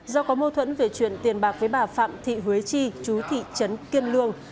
do có mâu thuẫn về chuyện tiền bạc với bà phạm thị huế chi chú thị trấn kiên lương